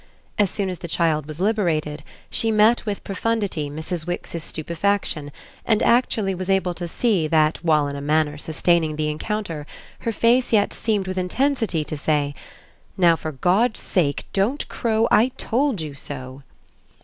As soon as the child was liberated she met with profundity Mrs. Wix's stupefaction and actually was able to see that while in a manner sustaining the encounter her face yet seemed with intensity to say: "Now, for God's sake, don't crow 'I told you so!'"